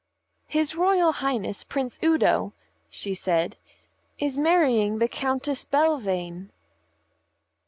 "His Royal Highness Prince Udo," she said, "is marrying the Countess Belvane."